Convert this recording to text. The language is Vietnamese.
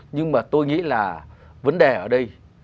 nhưng mà tôi nghĩ là vấn đề ở đây